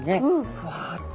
ふわっと。